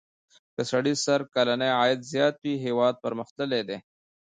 که سړي سر کلنی عاید زیات وي هېواد پرمختللی دی.